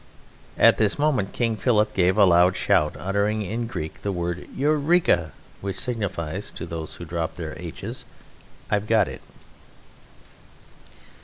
At this moment King Philip gave a loud shout, uttering in Greek the word "Eureka," which signifies (to those who drop their aitches) "I've got it."